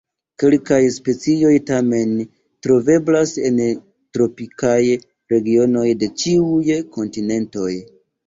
Kelkaj specioj tamen troveblas en tropikaj regionoj de ĉiuj kontinentoj.